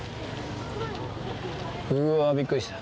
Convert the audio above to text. うわびっくりした。